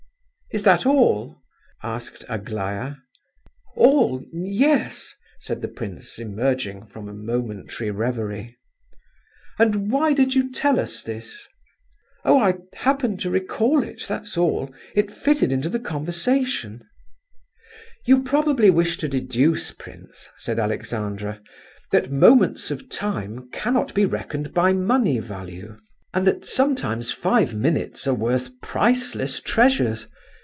"Is that all?" asked Aglaya. "All? Yes," said the prince, emerging from a momentary reverie. "And why did you tell us this?" "Oh, I happened to recall it, that's all! It fitted into the conversation—" "You probably wish to deduce, prince," said Alexandra, "that moments of time cannot be reckoned by money value, and that sometimes five minutes are worth priceless treasures.